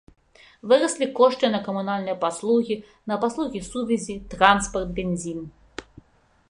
Выраслі кошты на камунальныя паслугі, на паслугі сувязі, транспарт, бензін.